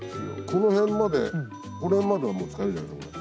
この辺までこの辺まではもう使えるじゃないですかこれ。